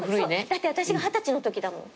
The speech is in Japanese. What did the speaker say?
だって私が二十歳のときだもん。